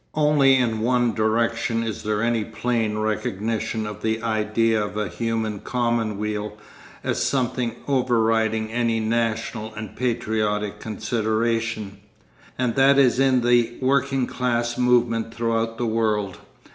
Only in one direction is there any plain recognition of the idea of a human commonweal as something overriding any national and patriotic consideration, and that is in the working class movement throughout the world.